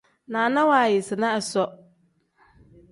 Naana waayisina isoo.